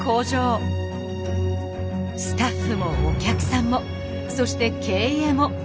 スタッフもお客さんもそして経営も。